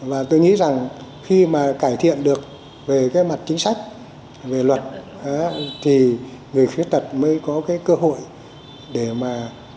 và tôi nghĩ rằng khi mà cải thiện được về cái mặt chính sách về luật thì người khuyết tật mới có cái cơ hội để mà